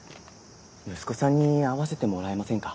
息子さんに会わせてもらえませんか？